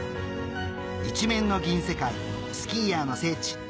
一面の銀世界スキーヤーの聖地